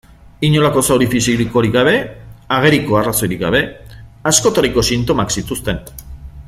Inolako zauri fisikorik gabe, ageriko arrazoirik gabe, askotariko sintomak zituzten.